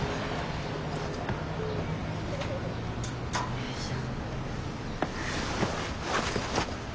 よいしょ。